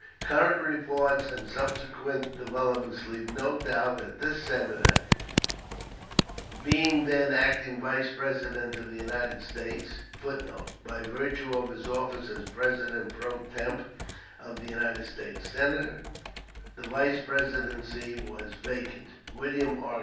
Current reports and subsequent developments leave no doubt that this Senator, being then acting Vice President of the United States, [Footnote: By virtue of his office as President pro tempore of the United States Senate. The Vice Presidency was vacant; William R.